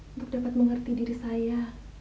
untuk dapat mengerti diri saya